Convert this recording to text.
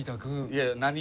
いや何？